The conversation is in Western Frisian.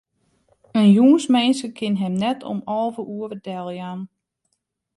In jûnsminske kin him net om alve oere deljaan.